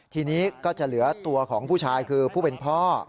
ทีนี้ก็จะเหลือตัวของผู้ชายคือผู้เป็นพ่อ